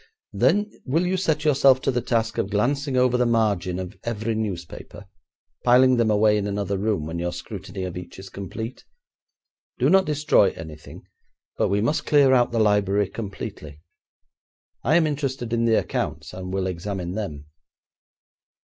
'Then will you set yourself to the task of glancing over the margin of every newspaper, piling them away in another room when your scrutiny of each is complete? Do not destroy anything, but we must clear out the library completely. I am interested in the accounts, and will examine them.'